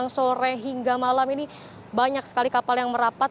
selamat malam yuda